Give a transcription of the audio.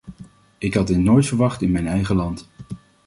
Ik had dit nooit verwacht in mijn eigen land.